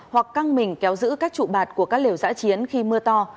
hoặc căng mình kéo giữ các trụ bạt của các liều giã chiến khi mưa to